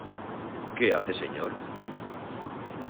¿ qué hace, señor?